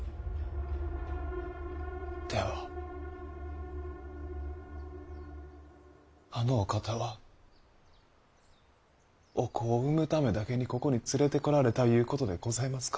ではあのお方はお子を産むためだけにここに連れてこられたいうことでございますか？